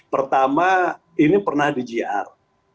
pertama ini pernah di gr